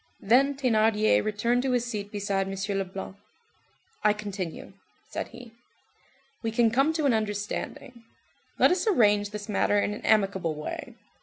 Then Thénardier returned to his seat beside M. Leblanc. "I continue," said he. "We can come to an understanding. Let us arrange this matter in an amicable way.